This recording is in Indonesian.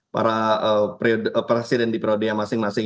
para presiden di periode yang masing masing